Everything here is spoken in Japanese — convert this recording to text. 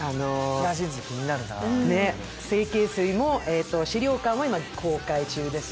「整形水」も「死霊館」も今、公開中です。